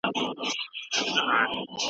حیات الله نه غوښتل چې په کار کې تاوان وکړي.